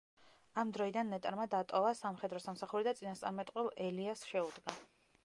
ამ დროიდან ნეტარმა დატოვა სამხედრო სამსახური და წინასწარმეტყველ ელიას შეუდგა.